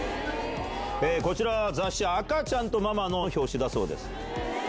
こちら雑誌『赤ちゃんとママ』の表紙だそうです。